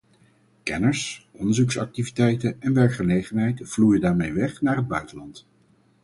Kenners, onderzoeksactiviteiten en werkgelegenheid vloeien daarmee weg naar het buitenland.